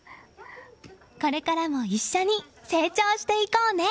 これからも一緒に成長していこうね。